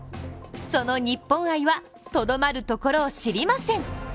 その日本愛はとどまるところを知りません。